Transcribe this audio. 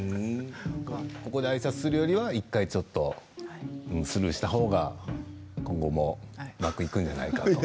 ここであいさつするよりは１回ちょっとスルーしたほうが今後もうまくいくんじゃないかと。